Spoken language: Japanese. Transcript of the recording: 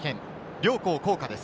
両校校歌です。